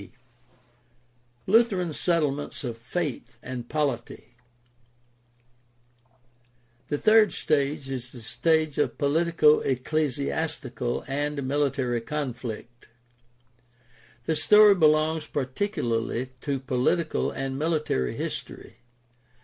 c) Lutheran settlements of faith and polity. — The third stage is the stage of politico ecclesiastical and military con flict. The story belongs particularly to political and military history.